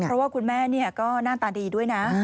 เพราะว่าคุณแม่ก็หน้าตาดีด้วยนะ